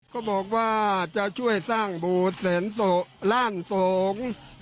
ก็บอกว่าจะช่วยสร้างโบสถ์แสนโสล่านสงฆ์